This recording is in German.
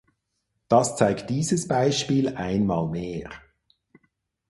Das zeigt dieses Beispiel einmal mehr.